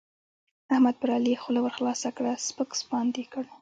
احمد پر علي خوله ورخلاصه کړه؛ سپک سپاند يې کړ.